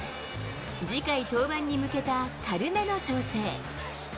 次回登板に向けた軽めの調整。